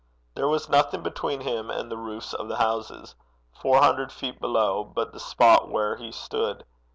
There was nothing between him and the roofs of the houses, four hundred feet below, but the spot where he stood.